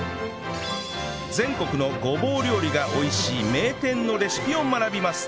全国のごぼう料理が美味しい名店のレシピを学びます